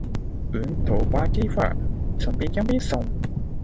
由於店名同某間連鎖快餐麥當勞嘅花名麥記相同